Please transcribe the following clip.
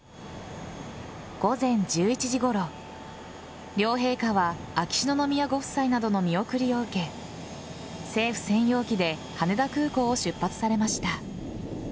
午前１１時ごろ両陛下は秋篠宮ご夫妻などの見送りを受け政府専用機で羽田空港を出発されました。